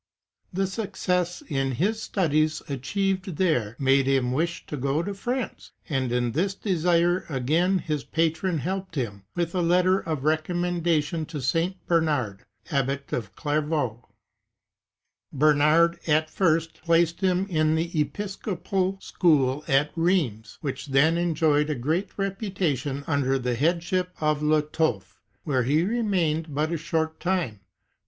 The success in his studies achieved there made him wish to go to France and in this 58 PETER LOMBARD AND HIS TEXT BOOK 59 desire again his patron helped him with a letter of recommenda tion to St. Bernard, Abbot of Clairvaux.^ Bernard at first placed him in the episcopal school at Rheims, which then enjoyed a great reputation, under the headship of Lotolf,^ where he remained but a short time.